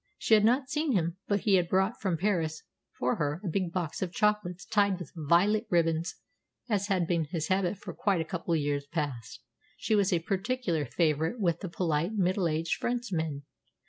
She had not seen him; but he had brought from Paris for her a big box of chocolates tied with violet ribbons, as had been his habit for quite a couple of years past. She was a particular favourite with the polite, middle aged Frenchman.